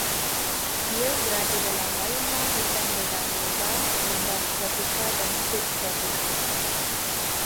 Ia berada dalam bioma hutan berdaun lebar lembap tropika dan subtropika